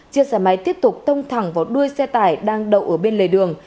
chiếc xe máy tiếp tục tông thẳng vào đuôi xe tải đang đậu ở bên lề đường